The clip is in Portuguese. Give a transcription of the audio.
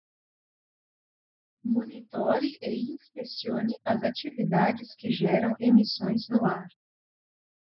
Monitore e inspecione as atividades que geram emissões no ar.